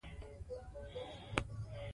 بلکې د ادبي متن په لوست کې يې